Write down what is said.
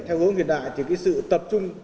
theo hướng hiện đại thì sự tập trung